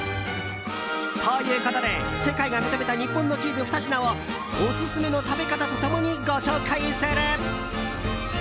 ということで世界が認めた日本のチーズ２品をオススメの食べ方と共にご紹介する。